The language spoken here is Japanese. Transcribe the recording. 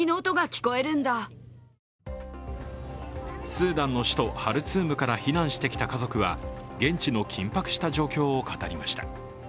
スーダンの首都ハルツームから避難してきた家族は、現地の緊迫した状況を語りました。